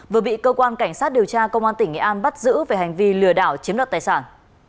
vừa bị cơ quan cảnh sát điều tra công an tỉnh nghệ an bắt giữ về hành vi lừa đảo chiếm đoạt tài sản